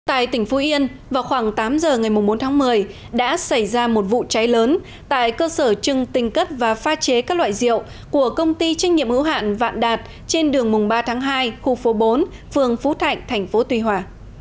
tại tỉnh phú yên vào khoảng tám giờ ngày bốn tháng một mươi đã xảy ra một vụ cháy lớn tại cơ sở trưng tinh cất và pha chế các loại rượu của công ty trinh nghiệm ưu hạn vạn đạt trên đường mùng ba tháng hai khu phố bốn phường phú thạnh tp tuy hòa